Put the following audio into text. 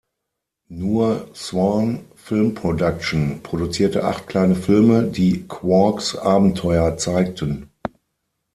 Nur Swan Film Production produzierte acht kleine Filme, die Quarks Abenteuer zeigten.